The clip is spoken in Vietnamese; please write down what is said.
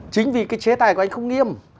chính vì cái chế tài của anh không nghiêm